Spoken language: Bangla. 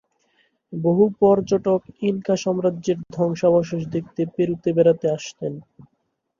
বহু পর্যটক ইনকা সাম্রাজ্যের ধ্বংসাবশেষ দেখতে পেরুতে বেড়াতে আসেন।